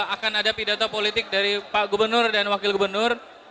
akan ada pidato politik dari pak gubernur dan wakil gubernur